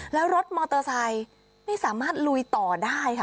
แล้วรถมอเตอร์ไซค์ไม่สามารถลุยต่อได้ค่ะ